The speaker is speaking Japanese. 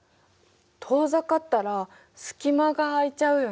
遠ざかったら隙間が空いちゃうよね。